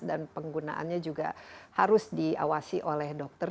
dan penggunaannya juga harus diawasi oleh dokter